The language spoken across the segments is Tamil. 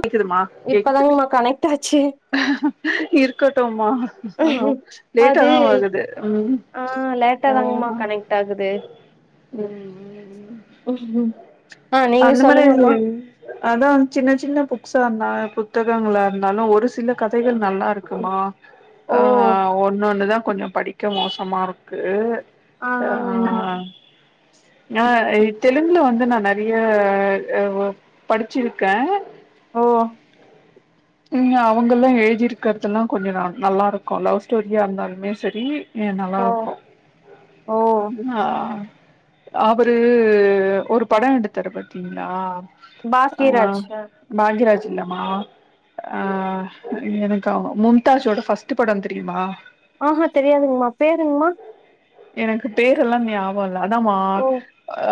கேக்குதுமா கேக்குது அச்சு இருக்கட்டோமா அ அது லேட்டாதா ஆகுது ம் ஆ லேட்டா ஆ தாங்மா கனெக்ட் ஆகுது ம் ஆ நீங்க அந்த மாரி எதுவு சொல்லுங்கம்மா இல்ல அதான் சின்ன சின்ன புக்ஸா இருந்தாலு புத்தகங்களா இருந்தாலு ஒரு சில கதைகள் நல்லா இருக்குமா ஓ ஆ ஒன்னு ஒன்னுதா கொஞ்ச படி க்க மோசமா இருக்கு ஆ ஆமா ஆ தெலுங்குல வந்து நா நறைய படிச்சிருக்கே ஓ ம் அவுங்களு எழுதி இருக்கறதெல்லா கொஞ்ச நல்லா இருக்கு லவ் ஸ்டோரியா இருந்தாலுமே செரி ஏ ஓ நல்லாயிருக்கு ஓ ஆ அவரு ஒரு படோ எடுத்தாரு பாத் தீங்ளா ஆ பாக்கியராஜ் பாக்யராஜ் இல்லமா ஆ எனக்கா மும்தாஜோட ஃபர்ஸ்ட் படம் தெரியுமா ஆ ஹா தெரியாதுங்மா பேருங்மா எனக்கு பேரெல்லா ஞாபகம் இல்ல அதாமா ஓ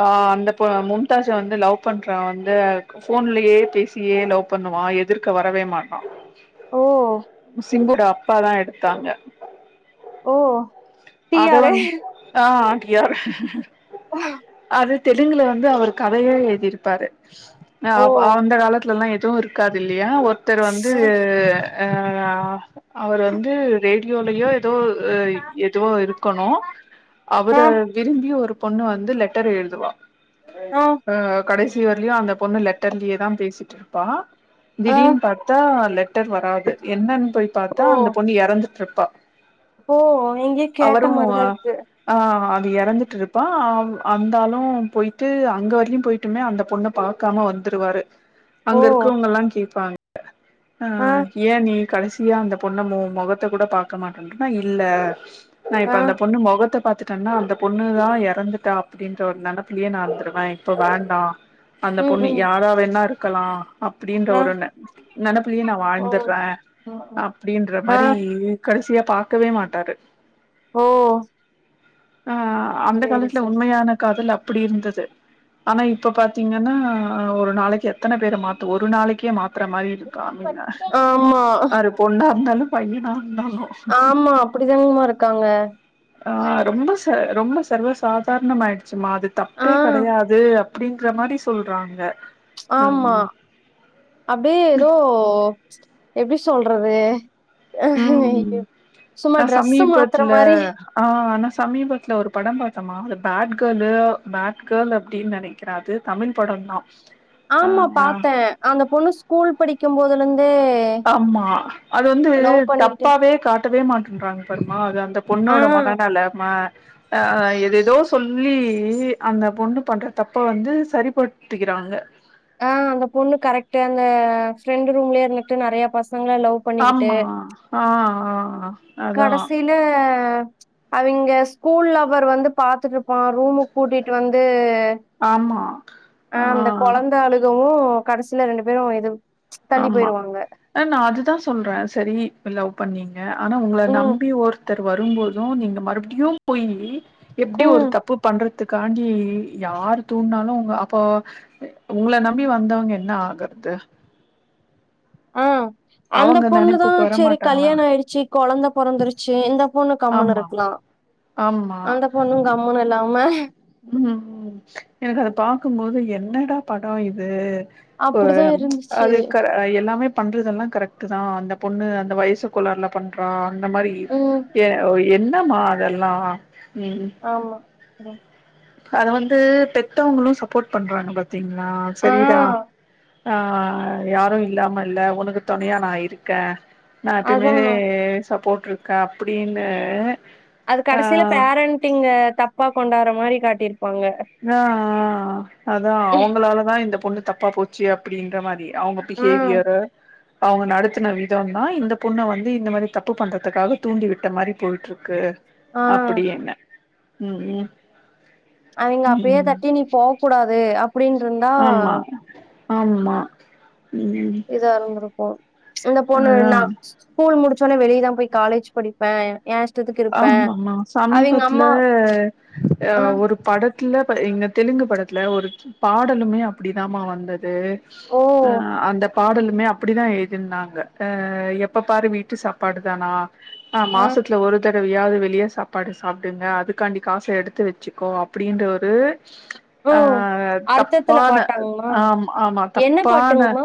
ஆ அந்த மும்தாஜ வந்து லவ் பண்றவன் வந்து போன்லயே பேசியே லவ் பண்ணுவா எதிர்க்க வரவே மாட்டா ஓ சிங்கோட அப்பாதா எடுத்தாங்க ஓ டி அது ஆரு வந்து ஆ டி ஆர் அது தெலுங்குல வந்து அவர் கதையா எழுதியிருப்பாரு அ ஓ அந்த காலத் துலல்லா எதுவு இருக்காது இல்லையா ஒருத்தர் வந்து ஆ அவரு வந்து ரேடியோலயோ ஏதோ எதுவோ இருக்கணு ஆ ஆ அவரு விரும்பிய ஒரு பொண்ணு வந்து லெட்டர் எழுதுவா ஆ ஆ கடைசி வரலயு அந்த பொண்ணு லெட்டர்லயே தா பேசிட்டு இருப்பா ஆ திடீர்னு பாத்தா லெட்டர் வராது என்னன்னு போய் ஓ பாத்தா அந்த பொண்ணு எறந்துட்டுருப்பா ஓ நீங்கே அவரு அ ஆ அவ எறந்துட்டுர்ப்பா ஆ அந்தாளு போயிட்டு அங்க வரக்கி போயிட்டு போயிட்டுமே அந்த பொண்ண பாக்காம வந்துருவாரு அங்க ஓ இருக்கவங்க எல்லா கேப்பாங்க ஆ ஏ நீ கடைசியா அந்த பொண்ணு மொ மொகத்த கூட பாக்க மாட்டனா இல்ல நா இப்ப அந்த பொண்ணு மொகத்த பாத்துட்டேனா அந்த பொண்ணுதா எறந்துட்டா அப்டின்ற ஒரு ஆ நெனப் ப்பிலயே நா இருந்துருவே இப்ப வேண்டா அந்த ம் பொண்ணு ம் யாரா வேணா இருக்கலா அப்டின்ற ஆ ஒரு நெ நெனப்பிலே நா ஓ வாழ்ந்திர்றே ம், ம். அப்டின்ற ஆ மாரி கடைசியா பாக்கவே மாட்டாரு ஓ ஆ அந்த சேரி காலத்துல சேரி உண்மையான காதல் அப் அப்டி இருந்தது ஆனா இப்ப பாத்தீங்கனா ஒரு நாளைக்கி எத் எத்தன பேரு மாத்த ஒரு நாளிக்கே மாத்துற மாரி இருக்கு ஐ ஆமா மீன் பொண்ணா இருந்தாலு பையனா இருந்தாலு ஆமா அப்டிதாங்மா இருக்காங்க ஆ ரொம்ப ச ரொம்ப சர்வ சாதாரணமாயிடுச்சுமா அது ஆ தப்பே கெடையாது அப்டின்ற மாரி சொல்றாங்க ஆமா ம் அப்டியே ஏதோ எப்டி சொல்றது ம் சும்மா நா டிரெஸ்சு மாத்தற சமீபத்துல மாரி ஆ நா சமீபத்துல ஒரு படொ பாத்தோம்மா அந்த பேட் கேளூ பேட் கேர்ள் அப்டின்னு நெனைக் கிறே அது தமிழ் படந்தா ஆ ஆமா பாத்தே அந்த பொண்ணு ஸ்கூல் படிக்கும் போதுலந்தே ஆமா அது வந்து தப்பாவே காட்டவே மாட்டேன்றாங்க பாரும்மா அது அந்த ஆ பொண்ணோட மனநெலம ஆ எதேதோ சொல்லி அந்த பொண்ணு பண்ற தப்ப வந்து சரிபடுத்திக்கிறாங்க ஆ அந்த பொண்ணு கரெக்ட் அந்த ஃப்ரெண்ட் ரூம்லயே இருந்துட்டு நெறையா பசங்கள லவ் பண்ணிக்கிட்டு ஆமா ஆ ஆ ஆ அதா இந்த அவிங்க ஸ்கூல்ல லவ்வர் வந்து பாத்துட்டு இருப்பா ரூமுக்கு கூட்டிட்டு வந்து ஆமா ஆ அந்த கொழந்த அழுகவு கடைசில ரெண்டு பேரு எது ஆமா நா அதுதா சொல்றே செரி லவ் பண்ணி க ஆனா உங்கள ம் நம்பி ஒருத்தர் வருபோது நீங்க மறுபடியு போயி எப்டி ஒரு ம் தப்பு பண்றதுக்காண்டி யார் தூண்ட்னாலு அப்ப உங்கள நம்பி வந்தவங்க என்ன ஆகறது ஆ அந்த அவங்க பொண்ணுதா நெனைப்புக்கு செரி வரமாட்டாங்களா கல்யாண ஆயிடுச்சி கொழந்த பொறந்துருச்சி இந்த பொண்ணு கம்மணு ஆமா இருக்கலா ஆமா அந்த பொண்ணு கம்முன்னு இல்லாம ம் எனக்கு அத பாக்கம்போது என்னடா படோ இது ஆ அப்டிதா இருந்துச்சு அது கர எல்லாமே பண்றதெல்லா கரெக்ட்டு தா அந்த பொண்ணு அந்த வயசு கோளாறுல பண்றா அந்த மாரி ம் என்னம்மா அதெல்லா ம் ஆமா அத வந்து பெத்தவங்களு சப்போர்ட் பண்றாங்க பாத்தீங்களா ஆ சரிடா ஆ யாரு இல்லாம இல்ல ஒனக்கு தொணையா நா இருக்கே நா அதா [unintelligible] சப்போட்ருக்கே அப்டின்னு அது கடைசில பேரண்டிங் தப்பா கொண்டாற மாரி காட்டிர்ப்பாங்க ஆ ஆ அதா அவுங்களாலதா இந்த பொண்ணு தப்பா போச்சு அப்டின்ற மாரி அவுங்க ஆ பிஹேவியரு அவங்க நடத்தின விதோதா இந்த பொண்ண வந்து இந்த மாரி தப்பு பண்றதுக்காக தூண்டி விட்ட மாரி போய்ட்டுருக்கு ஆ அப்படின்னு ம் ம் அவைங்கள அப்பயே ம் தட்டி நீ போ கூடாது அப்டினுருந்தா ஆமா ஆமா ம் தொறந்ருந்திருக்கு இந்த பொண்ணு அதா என்னா ஸ்கூல் முடிச்சவுனே வெளியேதா போய் காலேஜ் படிப்பே எ ஆமா ஆமா சமீபத்துல ஆ ஒரு படத் த்துல எங்க தெலுங்கு படத்துல ஒரு பாடலுமே அப்டிதாம்மா வந்தது ஓ அந்த பாடலுமே அப்டிதா எழுதிருந்தாங்க எப்ப பாரு வீட்டு சாப்பாடு தானா ஆ மாசத்துல ஒரு தரவயாது வெளிய சாப்பாடு சாப்புடுங்க அதுக்காண்டி காச எடுத்து வச்சுக்கோ அப்டின்ற ஒரு ஓ ஆ அர்த்தத்துல தப்பான பாட்டாங்மா ஆம் ஆமா என்ன தப்பான பாட்டுங்மா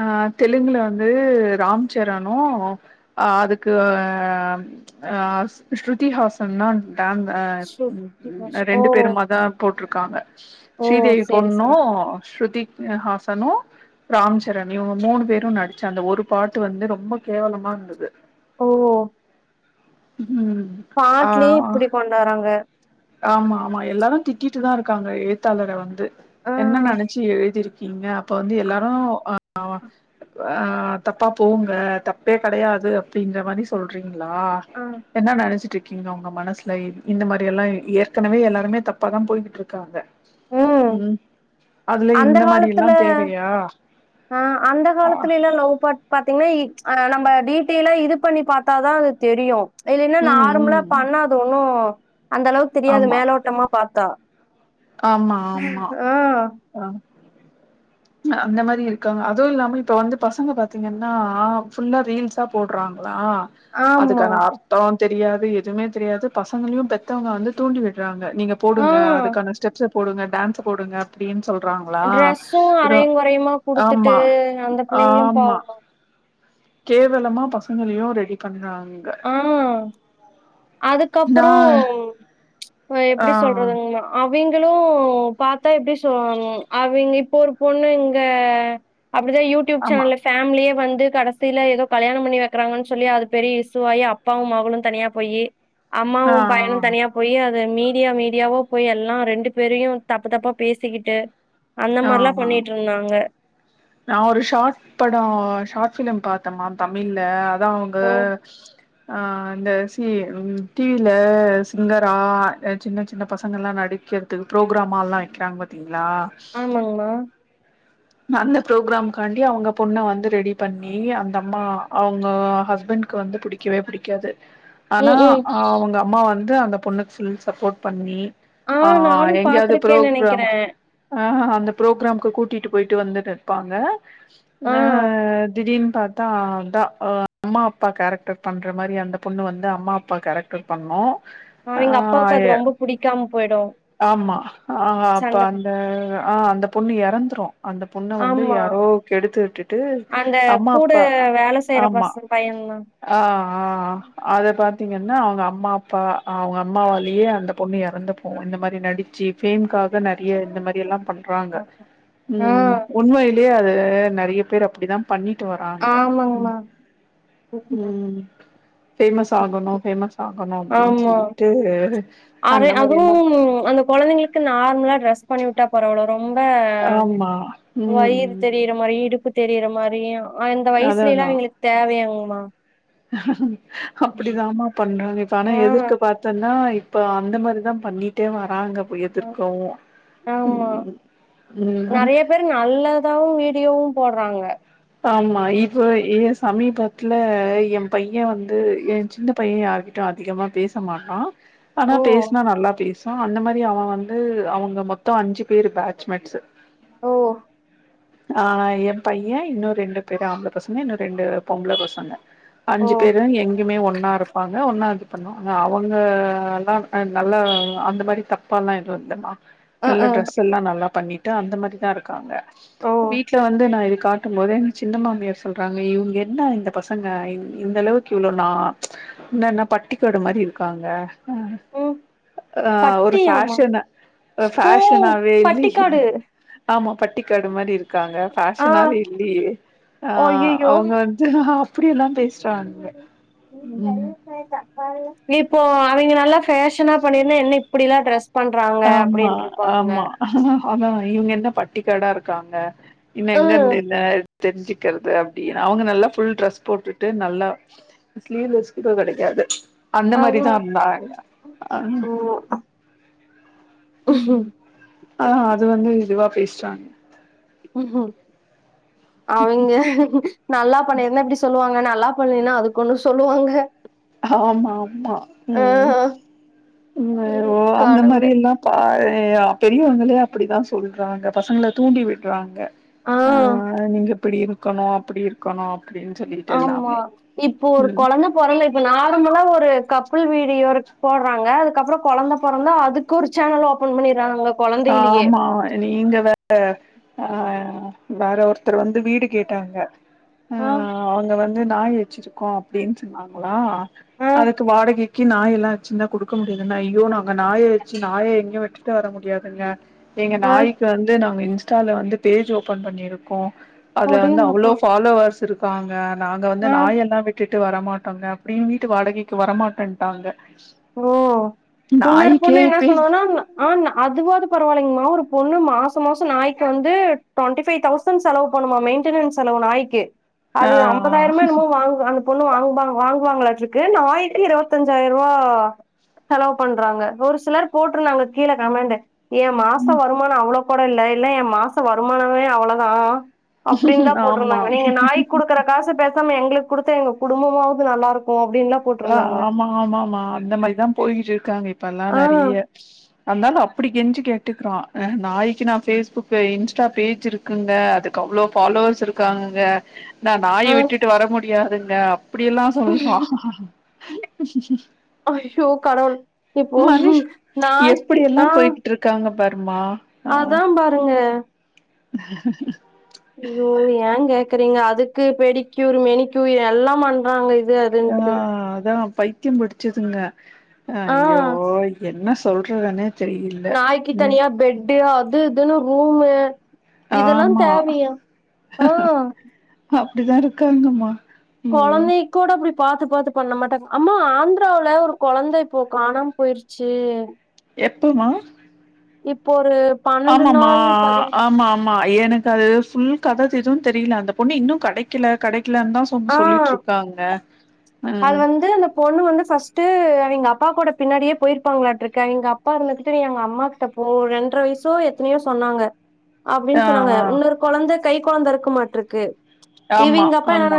அ தெலுங்ல வந்து ராம் சரணு அ அதுக்கு ஆ ஸ்ருதிஹாசன்னு ஸ்ருதி ஹாசன் ஓ ரெண்டு பேருமாதா போட்ருக்காங்க ஓ ஸ்ரீதேவி சேரி பொண்ணு சேரி ஸ்ருதிஹாசனு ராம்ச் சரணு இவுங்க மூணு பேரு நடிச்ச அந்த ஒரு பாட்டு வந்து ரொம்ப கேவலமா இருந்தது ஓஹ் ம் ஆ பாட்லயே இப்டி கொண்டு வராங்க ஆமா ஆமா எல்லாரு திட்டிட்டுதா இருக்காங்க எழுத்தாளர வந்து ஆ என்ன நெனச்சு எழுதிருக் கீங்க அப்ப வந்து எல்லாரு ஆ ஆ தப்பா போங்க தப்பே கிடையாது அப்டின்ற மாரி சொல்றீங்ளா ஆ என்ன நெனச்சிட்டு இருக் க்கீங்க உங்க மனசுல இந்த மாரி எல்லா ஏற்கனவே எல்லாருமே தப்பாதா போய்கிட்டு இருக்காங்க ம் அதுல அந்த இந்த மாரி எல்லா காலத்துல தேவையா ஆ அந்த ஆ காலத்துலல்லா லவ் பாட் பாத்தீங்கன்னா ஆ நம்ம டீட்டெய்லா இது பண்ணி பாத்தாதா அது தெரியு இல்லன்னா ம் நார்மலா ம் பண்ணா அது ஒன்னு அந்த அளவுக்கு தெரியாது ஆமா மேலோட்டமா பாத்தா ஆமா ஆமா ஆ ஆ அந்த மாரி இருக்காங்க அதுவு இல்லாம இப்ப வந்து பசங்க பாத்தீங்கன்னா ஃபுல்லா ரீல்ஸா போடுறாங்ளா ஆமா அதுக்கான அர்த்தோ தெரியாது எதுவுமே தெரியாது பசங்களையு பெத்தவங்க வந்து தூண்டி விடுறாங்க நீங்க ஆ போடுங்க அதுக்கான ஸ்டெப்ஸ போடுங்க டான்ஸ போடுங்க அப்டின்னு சொல்றாங்களா ட்ரெஸ்ஸு எது அரையு கொறையுமா குடுத்துட்டு ஆமா அந்த பிள்ளைங்களு ஆமா பாவோ கேவலமா பசங்களையு ரெடி பண்றாங்க ஆ அதுக்கப்புறோ நான் ஆ எப்டி சொல்றதுங்கமா அவிங்களு பாத்தா எப்டி சொல்வானுங் அவிங்க இப்போ ஒரு பொண்ணு இங்க அப்டிதா யூடியூப் ஆமா சேனல்ல பேமிலியே வந்து கடைசில எதோ கல்யாணோ பண்ணிை வைக்ராங்கன்னு சொல்லி அது பெரிய இஸ் துவாயி அப்பாவு மகளு தனியா போயி ஆ அம்மாவு பயனு தனியா போய் அது மீடியா மீடியாவோ போய் எல்லா ரெண்டு பேரையு தப்பு தப்பா பேசிக்கிட்டு அந்த ஆ ஆ மாரிலா ஆ. பண்ணிட்ருந்தாங்க நா ஒரு ஷார்ட் படோ ஷார்ட் ஃபிலிம் பாத்தேமா தமிழ்ல அதா அவுங்க ஓ ஆ இந்த சி ம் டிவில சிங்கரா சின்ன சின்ன பசங்கல்லா நடிக்கர் த்து ப்ரோக்ராமால்லா வைக்கிறாங்க பாத்தீங்ளா ஆமாங்மா அந்த ப்ரோக்ராம்காண்டி அவுங்க பொண்ண வந்து ரெடி பண்ணி அந்த அம்மா அவுங்க ஹஸ்பண்ட்க்கு வந்து புடி க்கவே புடிக்காது ஆனா ம் ம் அவுங்க அம்மா வந்து அந்த பொண்ணுக்கு ஃபுல் சப்போர்ட் பண்ணி ஆ நானு எங்கேயாவுது பாத்திருக்கேன்னு ப்ரோக்ராம் நெனைக்கிறே ஆ அந்த ப்ரோக்ராம்க்கு கூட்டிட்டு போயிட்டு வந்துட்டு இருப்பாங்க ஆ ந திடீர்னு பாத் தா அதா அ அம்மா அப்பா கேரக்டர் பண்ற மாரி அந்த பொண்ணு வந்து அம்மா அப்பா கேரக்டர் பண்ணு ஆ அவிங்க அப்பாவுக்கு எ அது ரொம்ப புடிக்காம போய்டு ஆமா ஆ அப்ப அந்த ஆ அந்த பொண்ணு எறந்துரு அந்த பொண்ண வந்து ஆமா யாரோ கெடுத்து விட்டுட்டு அந்த அம்மா கூட அப்பா வேல செய்யற ஆமா பச பையன்தா ஆ ஆ ஆ அத பாத்தீங்கன்னா அவுங்க அம்மா அப்பா அவுங்க அம்மாவாலயே அந்த பொண்ணு எறந்துப்போவு இந்த மாரி நடிச்சு ஃபேம்காக நறைய இந்த மாரி எல்லா பண்றாங்க ஆ ம் உண்மையிலேயே அது நறைய பேர் அப்டிதா பண்ணிட்டு வராங்க ம் ஆமாங்மா ம் ஃபேமஸ் ஆகணு ஃபேமஸ் ஆகணு அப்டின் சொல்லிட்டு அரே அந்த மாரி அதுவு எல்லா அந்த கொழந்தைங்களுக்கு நார்மலா ட்ரெஸ் பண்ணிவுட் டா பரவால்ல ரொம்ப ஆமா ம் வயிறு ம் தெரியி றமாரி இடுப்பு தெரியிற மாரி அந்த அதா வயச்லலைலா இவிங்களக் தேவயாங்கமா அப்டித்தாமா பண்றாங்க இப்ப ஆனா ஆ எதிர்க்க பாத் தன்னா இப்ப அந்த மாரிதா பண்ணிட்டே வராங்க போ ஆ எதிர்க்கவு ஆமா ம் ம் நெறைய பேர் நல்லதாவு வீடியோவு போட்றாங்க ஆமா இப்ப எ சமீபத்துல எ பய்யே வந்து எ சின்ன பய்யே யார் கிட்டயு அதிகமா பேச மாட்டா ஆனா ஓ பேச்னா நல்லா பேசு வா அந்த மாரி அவே வந்து அவுங்க மொத்தோ அஞ்சு பேரு பேட்ச்மெட்ஸ்ஸு ஓ ஆ எ பய்யே இன்னோரு ரெண்டு பேரு ஆம்ப்ள பசங்க இன்னு ரெண்டு பொம்ப்ள பசங்க ஓ அஞ்சு பேரு எங்கேயுமே ஒன்னா இருப்பாங்க ஒன்னா இது பண்ணுவாங்க அவுங்கல்லா நல்லா அந்த மாரி தப்பால்லா எது இல்லம்மா அ நல்ல அ ட்ரெஸ் எல்லா நல்லா பண்ணி ட்டு அந்த மாரிதா இருக்காங்க ஓ வீட்ல வந்து நா இது காட்டுபோதே சின்ன மாமியார் சொல்றாங்க இவுங்க என்ன இந்த பசங்க இந் இந்தளவுக்கு இவ்ளோ நா இந்தா என்ன பட்டிக்காடு மாரி இருக்காங்க ம் ஆ ஒரு பட்டியாமா ஃபேஷன் ஓ ஃபேஷனாவே இல்லையே பட்டிக்காடு ஆமா பட்டிக்காடு மாரி இருக்காங்க ஆ ஃபேஷனாவே இல்லியே ஆ அய்யய்யோ அவுங்க வந்து அப்டியெல்லா பேச்றாங்க ம் இப்போ அவேங்க நல்லா ஃபேஷன்னா பண்ணிருந்தா என்ன இப்டியெல்லா ட்ரெஸ் பண்றாங்க ஆமா அப்டின்ருப்பாங்க ஆமா அதா இவுங்க என்ன பட்டிக்காடா இருக்காங்க இன்ன ம் எங்கருந்து இந்த தெரிஞ்சுக்றது அப்டி அவுங்க நல்லா ஃபுல் ட்ரெஸ் போட்டுட்டு நல்லா ஸ்லீவ்லஸ்கூட கெடைக்காது அந்த அதா மாரிதா இருந்தா ஆளு ஆ ம் ஆ அது வந்து இதுவா பேசுறாங்க அவைங்க நல்லா பண்ணிருந்தா இப்டி சொல்லுவாங்க நல்லா பண்லன்னா அதுக்கொன்னு சொல்லுவாங்க ஆமா ஆமா ஆ ம் ஓ அந்த மாரி கடவுளே எல்லா பாரே பெரியவங்களே அப்டித்தா சொல்றாங்க பசங்கள தூண்டி விட்றாங்க ஆ நீங்க இப்டி இருக்கணு அப்டி இருக்கணு அப்டின்னு சொல்லி ஆமா இப்போ ஒரு கொழந்த பொறந்து இப்ப நார்மலா ஒரு கப்புல் வீடியோ போடுறாங்க அதுக்கு அப்புறோ கொழந்த பொறந்தா அதுக் கொரு சேனல் ஓபன் பண்ணிடுறானுங்க ஆமா நீங்க வேற ஆ வேற ஒருத்தர் வந் து வீடு கேட்டாங்க ஆ அவங்க வந் து நாய் வெச்சிருக்கோ அப்டின்னு சொன்னாங்களா ஆ அதுக்கு வாடகைக்கு நாயெல்லா வெச்சிருந்தா கொடுக்க முடியாதுன்னா ஐயோ நாங்க நாய வெச்சு நாய எங்கயொ விட்டுட்டு வர முடியா துங்க எங்க ஆ நாய்க்கு வந்து நாங்க இன்ஸ்டால வந்து பேஜ் ஓபன் பண்ணிருக்கோ அதுல வந்து அவ்ளோ அடேங்கப்பா ஃபாலோவர்ஸ் இருக்காங்க நாங்க வந்து ஆ நாய் எல்லா விட்டுட் டு வரமாட்டோங்க அப்டின் வீட்டு வாடகைக்கு வரமாட்டேன்ட்டாங்க ஓ உண்ணொரு பொண்ணு நாய்க்கே என்ன பேஜ் சொன்னுவானா ஆ அதுவாவது பரவாயில்லைங்கமா ஒரு பொண்ணு மாச மாச நாய்க்கு வந்து டுவண்டிஃபை தௌச் சண் செலவு பண்ணுமா மெயின்டெனன்ஸ் செலவு நாய்க்கு ஆ அது அம்பதாயிரமா என்னமோ வாங்கு அந்த பொண்ணு வாங்குபா வாங்குவாங்களாட்ருக்கு நாய்க்கு இருவத்தஞ்சாயிருவா ஆ செலவு பண்றாங்க ஒரு சிலர் போட்ருந்தாங்க கீழே கமெண்டு ஏ மாச வருமான அவ்ளே கூட இல்ல இல்ல ஏ மாச வருமானமே அவ்ளதா அப்டின்தா ஆமா போட்ருந்தாங்க நீங்க நாய் குடுக்குற காச பேசாம எங்களுக்கு கொடுத்தா எங்க குடும்பமாவது நல்லா இருக்கு அப்டின்லா ஆ போட்ருந்தாங்க ஆமா ஆமாமா அந்த மாரிதா போய்கிட்டு இருக்காங்க இப்ப எல்லா ஆ நறைய அந்தாலு அப்டி கெஞ்சி கேட்டுக்றா நாய்கக்கு நா ஃபேஸ்புக்கு இன்ஸ்டா பேஜ் இருக் குங்க அதுக்கு அவ்ளோ ஃபாலோவர்ஸ் இருக்காங்கங்க நா நாய ஆ விட்டுட்டு வர முடியாதுங்க அப்டியெல்லா சொல்றா ஹைய்யோ கடவுள் இப்போ நா இ ஆ க்காங்க பாருமா ஆ அதா பாருங்க [unintelligible] ஐயோ ஏ கேக்குறீங்க அதுக்கு பெடிக்கூர் மெனிக்கூர் எல்லா பண்றாங்க இது ஆ அதுன்ட்டு அதா பைத்தியம் படிச்சதுங்க அ ஆ ஐயோ என்னச் சொல்றதுனே நாய்க்கு தனியா பெட்டு அது இதுன்னு ரூம்மு இதெல்லா ஆமா தேவையா ஆ அப்டிதா இருக்காங்கம்மா ம் கொழந்தை க்கூட அப்டி பாத்து பாத்து பண்ண மாட்டாங்க அம்மா ஆந்திராவுல ஒரு குழந்த இப்போ காணாம போயிருச்சு எப்பமா இப்போ ஒரு பன்னெண்டு ஆமாமா நாள் பதிமூ ஆமா ம்மா எனக்கு அது ஃபுல் கத எதுவும் தெரியில அந்த பொண்ணு இன்னும் கடைக்கல கடைக்கலன் தா தங் ஆ சொல்லிட்ருக்காங்க அது ம் வந்து அந்த பொண்ணு வந்து ஃபர்ஸ்ட்டு அவிங் அப்பா கூட பின்னாடியே போயிருப்பாங்களாட்ருக்கு அவிங் அப்பா இருந்துக்கிட்டு நீ எங்க அம்மா கிட்ட போ ரெண்ர வயசோ எத்தனயோ சொன்னாங்க ஆ, அப்டின் சொன்னாங்க ஆ. இன்னொரு கொழந்த கை கொழந்த இருக்க மாட்ருக்கு ஆமா ஆமா